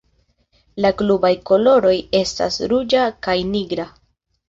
La klubaj koloroj estas ruĝa kaj nigra.